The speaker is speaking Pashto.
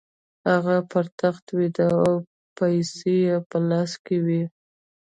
هغه پر تخت ویده او پیسې یې په لاس کې وې